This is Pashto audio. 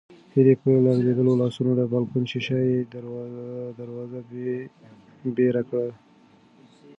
هیلې په لړزېدلو لاسونو د بالکن شیشه یي دروازه بېره کړه.